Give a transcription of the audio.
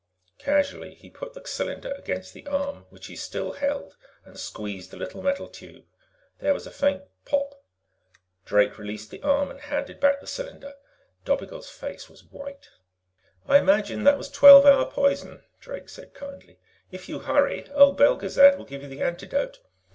Casually, he put the cylinder against the arm which he still held and squeezed the little metal tube. There was a faint pop! Drake released the arm and handed back the cylinder. Dobigel's face was white. "I imagine that was twelve hour poison," Drake said kindly. "If you hurry, old Belgezad will give you the antidote.